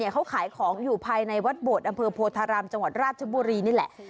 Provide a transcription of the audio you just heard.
เขาขายของอยู่ภายในวัดโบดอำเภอโพธารามจังหวัดราชบุรีนี่แหละ